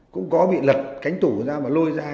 cũng có bị lật cánh tủ ra và lôi ra